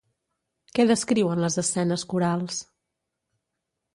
Què descriuen les escenes corals?